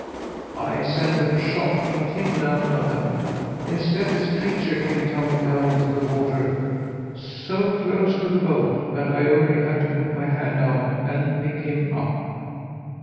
I sent them a shot, but hit none of them. Instead this creature came tumbling down into the water so close to the boat that I only had to put my hand out and pick him up."